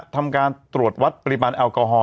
ทำการตรวจวัดปริมาณแอลกอฮอล